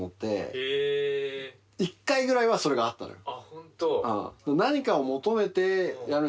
ホント。